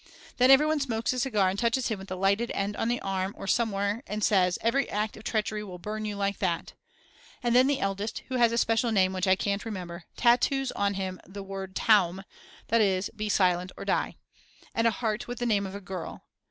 Then everyone smokes a cigar and touches him with the lighted end on the arm or somewhere and says: Every act of treachery will burn you like that. And then the eldest, who has a special name which I can't remember, tattoos on him the word Taum, that is Be Silent or Die, and a heart with the name of a girl.